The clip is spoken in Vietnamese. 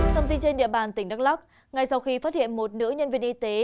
thông tin trên địa bàn tỉnh đắk lắc ngay sau khi phát hiện một nữ nhân viên y tế